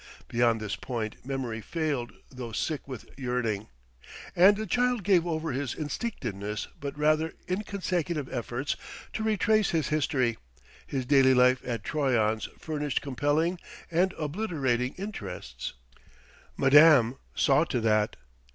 Beyond this point memory failed though sick with yearning. And the child gave over his instinctive but rather inconsecutive efforts to retrace his history: his daily life at Troyon's furnished compelling and obliterating interests. Madame saw to that.